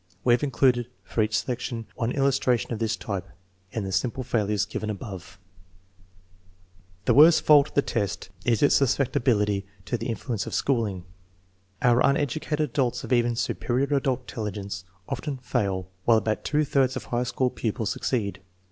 We have included, for each selection, one illus tration of this type in the sample failures given above. The worst fault of the test is its susceptibility to the in fluence of schooling. Our uneducated adults of even " su perior adult " intelligence often fail, while about two thirds of high school pupils succeed.